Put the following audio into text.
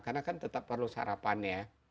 karena kan tetap perlu sarapan ya